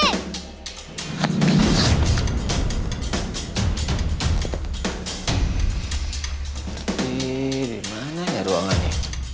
tapi dimananya ruangan ini